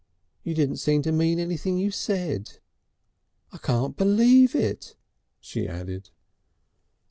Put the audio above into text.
You didn't seem to mean anything you said. "I can't believe it!" she added.